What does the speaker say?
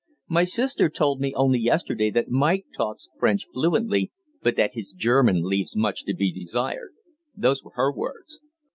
My sister told me only yesterday that Mike talks French fluently, but that his German 'leaves much to be desired.' Those were her words.